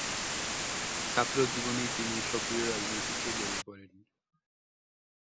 ছাত্র জীবনেই তিনি সক্রিয় রাজনীতিতে জড়িয়ে পড়েন।